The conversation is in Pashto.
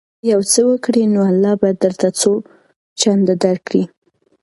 که ته یو څه ورکړې نو الله به درته څو چنده درکړي.